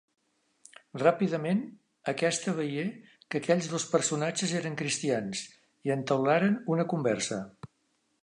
Ràpidament, aquesta veié que aquells dos personatges eren cristians i entaularen una conversa.